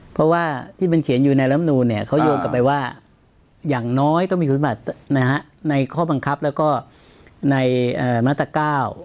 เพราะว่าที่มันเขียนอยู่ในลำนูนเนี่ยเขาโยงกลับไปว่าอย่างน้อยต้องมีคุณสมบัตินะฮะในข้อบังคับแล้วก็ในมาตรเก้า